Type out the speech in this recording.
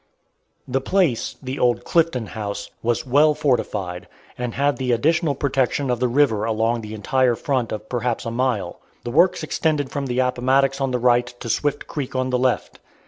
The place the old "Clifton House" was well fortified, and had the additional protection of the river along the entire front of perhaps a mile. The works extended from the Appomattox on the right to Swift Creek on the left.